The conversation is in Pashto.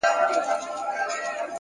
هره پرېکړه راتلونکی رنګوي،